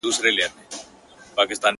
څوک و یوه او څوک و بل ته ورځي,